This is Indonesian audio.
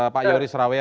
pak yoris rawea